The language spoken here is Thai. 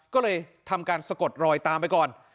ก็เลยทำการสะกดรอยตามไปก่อน